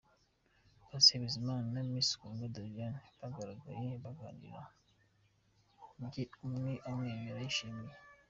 Patient Bizimana na Miss Kundwa Doriane bagaragaye baganira bui umwe amwenyura yishimye.